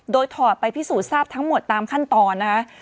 โดยถอดไปพิสูจน์ทราบทั้งหมดตามขั้นตอนนะคะ